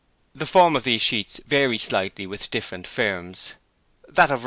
The form of these sheets vary slightly with different firms: that of Rushton & Co.